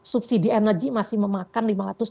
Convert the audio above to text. subsidi energi masih memakan